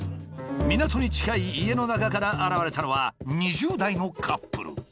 港に近い家の中から現れたのは２０代のカップル。